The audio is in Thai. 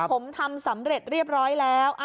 ผมทำสำเร็จเรียบร้อยแล้ว